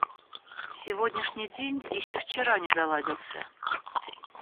Сегодняшний день еще вчера не заладился.